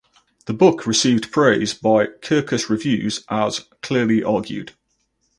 The book received praise by "Kirkus Reviews" as "clearly argued".